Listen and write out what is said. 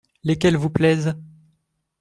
Lesquelles vous plaisent ?